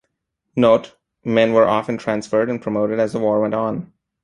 Note - Men were often transferred and promoted as the war went on.